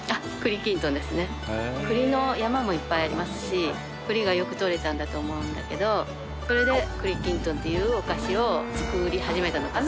栗の山もいっぱいありますし栗がよくとれたんだと思うんだけどそれで栗きんとんというお菓子を作り始めたのかな。